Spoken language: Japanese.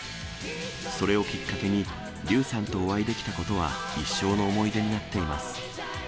それをきっかけに、笠さんとお会いできたことは、一生の思い出になっています。